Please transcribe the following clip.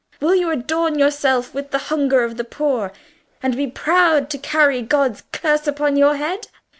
Will you adorn yourself with the hunger of the poor, and be proud to carry God's curse upon your head?"